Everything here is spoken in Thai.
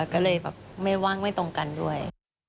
ก็เลยแบบไม่ว่างไม่ตรงกันด้วย